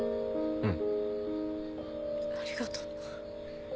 うん。